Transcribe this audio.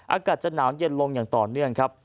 อากาศจะหนาวเย็นลงอย่างต่อเนื่องครับ